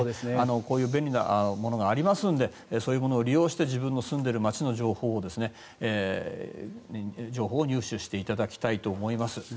こういう便利なものがありますのでそういうものを利用して自分の住んでいる街の情報を入手していただきたいと思います。